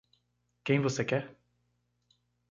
Quem você quer?